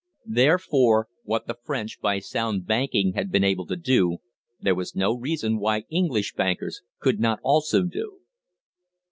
Therefore what the French by sound banking had been able to do, there was no reason why English bankers could not also do.